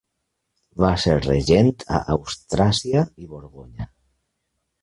Va ser regent a Austràsia i Borgonya.